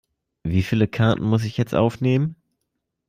Wie viele Karten muss ich jetzt aufnehmen?